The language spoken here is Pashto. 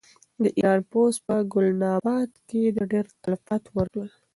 د ایران پوځ په ګلناباد کې ډېر تلفات ورکړل.